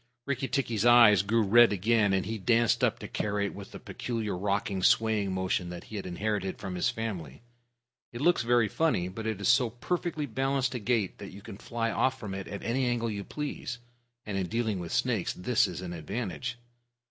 Rikki tikki's eyes grew red again, and he danced up to Karait with the peculiar rocking, swaying motion that he had inherited from his family. It looks very funny, but it is so perfectly balanced a gait that you can fly off from it at any angle you please, and in dealing with snakes this is an advantage.